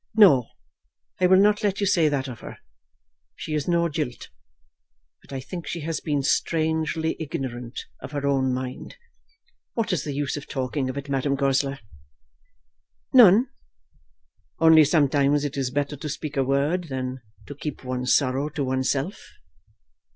"No; I will not let you say that of her. She is no jilt. But I think she has been strangely ignorant of her own mind. What is the use of talking of it, Madame Goesler?" "None; only sometimes it is better to speak a word, than to keep one's sorrow to oneself."